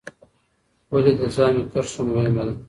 ولې د ژامې کرښه مهمه ده؟